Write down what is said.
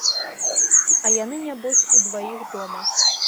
А яны нябось удваіх дома.